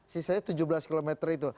sisanya tujuh belas km itu